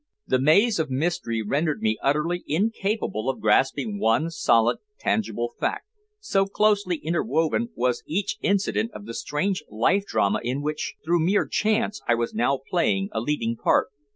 The maze of mystery rendered me utterly incapable of grasping one solid tangible fact, so closely interwoven was each incident of the strange life drama in which, through mere chance, I was now playing a leading part.